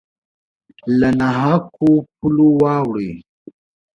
له نا حقو پولو واوړي